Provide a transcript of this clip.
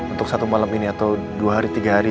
untuk satu malam ini atau dua hari tiga hari